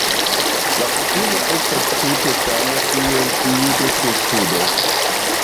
La kutimo estas tute sama kiel tiu de testudo.